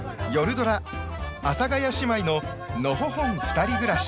ドラ「阿佐ヶ谷姉妹ののほほんふたり暮らし」。